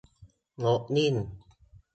รถนิ่ง